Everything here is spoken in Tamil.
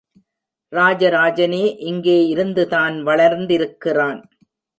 ராஜராஜனே இங்கே இருந்துதான் வளர்ந்திருக்கிறான்.